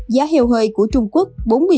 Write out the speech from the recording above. giá heo hơi của trung quốc